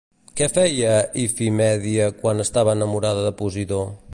Què feia Ifimèdia quan estava enamorada de Posidó?